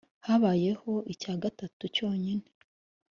habaho icya gatatu cyonyine.